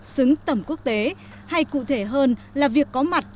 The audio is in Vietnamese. xứng tầm quốc tế hay cụ thể hơn là việc có mặt